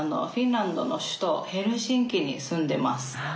フィンランドの首都ヘルシンキに住んでます。